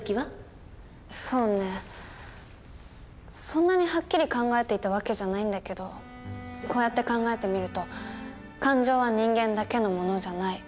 そんなにはっきり考えていた訳じゃないんだけどこうやって考えてみると「感情は人間だけのものじゃない。